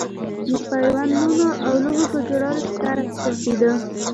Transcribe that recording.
د پایپونو او لوښو په جوړولو کې کار اخیستل کېده